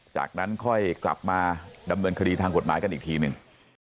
จากนั้นค่อยกลับมาดำเนินคดีทางกฎหมายกันอีกทีหนึ่ง